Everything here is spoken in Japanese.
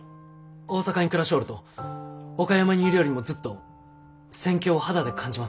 大阪に暮らしょうると岡山にいるよりもずっと戦況を肌で感じます。